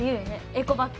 エコバッグ。